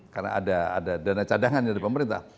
karena ada dana cadangan dari pemerintah